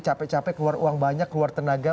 capek capek keluar uang banyak keluar tenaga